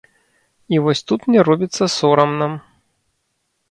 І вось тут мне робіцца сорамна.